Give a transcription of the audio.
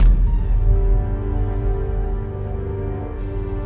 kamu sudah sampai jatuh